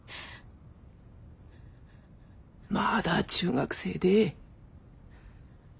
まだ中学生で。